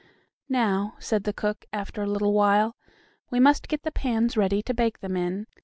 "Now," said the cook, after a little while, "we must get the pans ready to bake them in.